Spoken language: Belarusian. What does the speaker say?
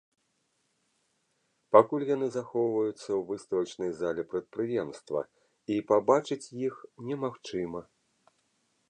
Пакуль яны захоўваюцца ў выставачнай зале прадпрыемства, і пабачыць іх немагчыма.